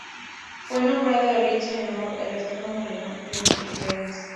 Fue nombrado Richter en honor al astrónomo alemán Nikolaus B. Richter